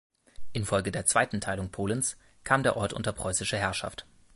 Infolge der Zweiten Teilung Polens kam der Ort unter preußische Herrschaft.